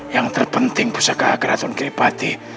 yang terpenting pusaka ageratun giripati